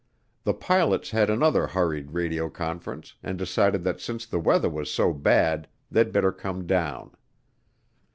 The pilots had another hurried radio conference and decided that since the weather was so bad they'd better come down.